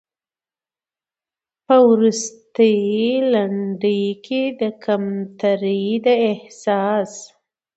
په وروستۍ لنډۍ کې د کمترۍ د احساس